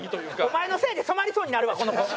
お前のせいで染まりそうになるわこの子！